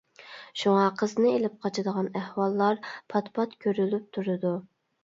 شۇڭا، قىزنى ئېلىپ قاچىدىغان ئەھۋاللار پات-پات كۆرۈلۈپ تۇرىدۇ.